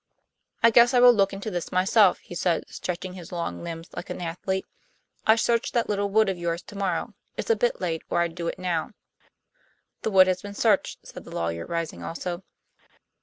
"I guess I will look into this myself," he said, stretching his long limbs like an athlete. "I search that little wood of yours to morrow. It's a bit late, or I'd do it now." "The wood has been searched," said the lawyer, rising also.